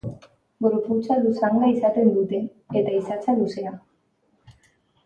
Gorputza luzanga izaten dute, eta isatsa luzea.